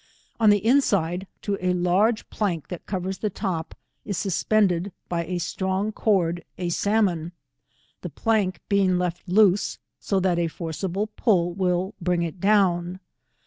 On the inside, to a large plank that covers the top, is suspended by a strong cord a salmon, the plank being left loose so that a forcible pull will briag it down.